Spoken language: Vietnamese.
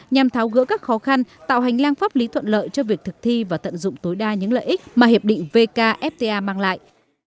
nhằm tháo gỡ các khó khăn tạo hành lang pháp lý thuận lợi cho việc thực thi và tận dụng tối đa những lợi ích mà hiệp định vkfta mang lại